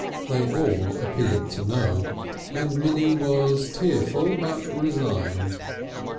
They all appeared to know; and Minnie was tearful, but resigned.